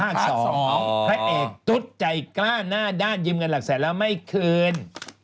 พระเอกตุ๊ดใจกล้าหน้าด้านยืมเงินหลักแสนแล้วไม่คืน